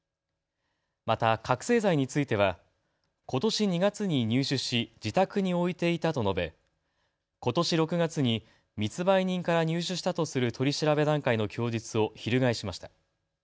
また覚醒剤についてはことし２月に入手し自宅に置いていたと述べことし６月に密売人から入手したとする取り調べ段階の供述をひるがえしました。